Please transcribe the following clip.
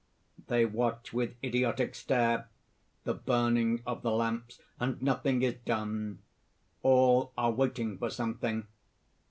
They watch with idiotic stare the burning of the lamps; and nothing is done: all are waiting for something.